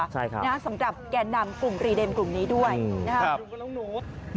ใช่ครับสำหรับแก่นำกลุ่มรีเดมกลุ่มนี้ด้วยนะครับ